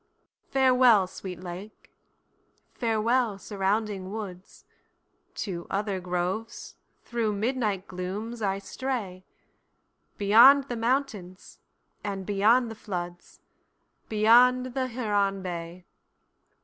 Farewell, sweet lake; farewell surrounding woods, To other groves, through midnight glooms, I stray, Beyond the mountains, and beyond the floods, Beyond the Huron bay!